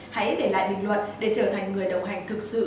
hãy để lại bình luận để trở thành người đồng hành thực sự